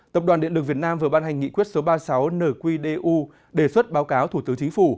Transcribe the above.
tập đoàn điện lực việt nam vừa ban hành nghị quyết số ba mươi sáu nqdu đề xuất báo cáo thủ tướng chính phủ